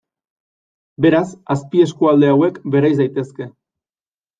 Beraz, azpieskualde hauek bereiz daitezke.